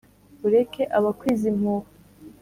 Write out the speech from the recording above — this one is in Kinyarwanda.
ureke abakwiza impuha